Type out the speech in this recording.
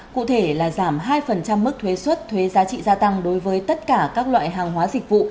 cụ thể là giảm hai mức thuế xuất thuế giá trị gia tăng đối với tất cả các loại hàng hóa dịch vụ